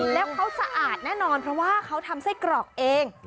แล้วเขาสะอาดแน่นอนเพราะว่าเขาทำไส้กรอกเอง